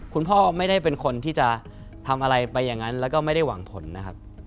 คุณพ่อไม่ได้เป็นคนที่จะทำอะไรไปอย่างนั้นแล้วก็ไม่ได้หวังผลนะครับ